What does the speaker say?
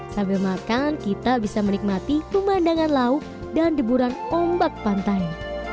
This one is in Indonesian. sambil makan kita bisa menikmati pemandangan laut dan deburan ombak pantai